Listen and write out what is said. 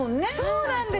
そうなんです。